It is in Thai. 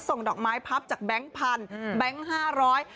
ดอกไม้พับจากแบงค์พันอืมแบงค์ห้าร้อย